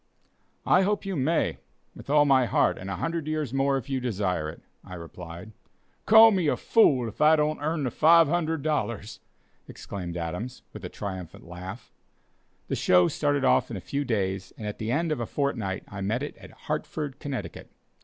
"I hope you may, with all my heart, and a hundred years more if you desire it," I replied. "Call me a fool if I don't earn the $500!" exclaimed Adams, with a triumphant laugh. The "show" started off in a few days, and at the end of a fortnight I met it at Hartford, Connecticut.